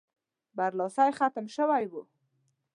برلاسی ختم شوی وو.